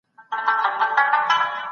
مثبت فکر راتلونکی نه کموي.